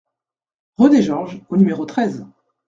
Rue des Georges au numéro treize